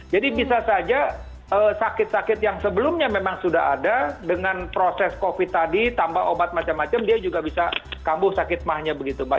jadi bisa saja sakit sakit yang sebelumnya memang sudah ada dengan proses covid tadi tambah obat macam macam dia juga bisa kambuh sakit mahnya begitu mbak